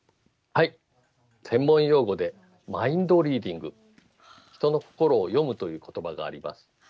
専門用語で「マインドリーディング」「人の心を読む」という言葉があります。